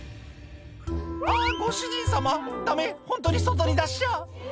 「あぁご主人様ダメホントに外に出しちゃ」